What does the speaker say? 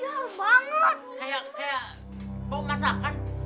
kayak kayak mau masakan